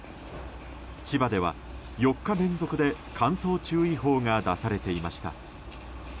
千葉では４日連続で乾燥注意報が出されていました。